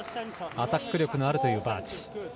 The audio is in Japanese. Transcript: アタック力のあるバーチ。